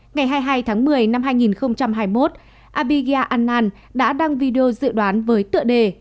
ngày hai mươi hai tháng một mươi năm hai nghìn hai mươi một abiga an đã đăng video dự đoán với tựa đề